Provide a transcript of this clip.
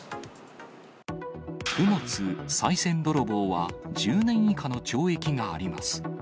供物、さい銭泥棒は１０年以下の懲役があります。